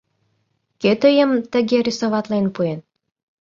— Кӧ тыйым тыге рисоватлен пуэн?